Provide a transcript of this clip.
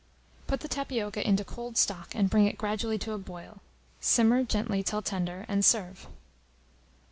Put the tapioca into cold stock, and bring it gradually to a boil. Simmer gently till tender, and serve.